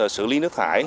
xử lý nước thải